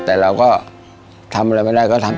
แต่เราก็ทำอะไรไม่ได้ก็ทำ